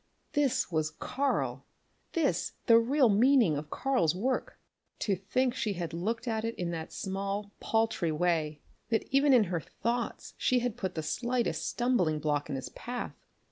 This was Karl! This the real meaning of Karl's work! To think she had looked at it in that small, paltry way that even in her thoughts she had put the slightest stumbling block in his path.